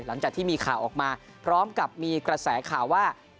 หลังจากที่มีข่าวออกมาพร้อมกับมีกระแสข่าวว่า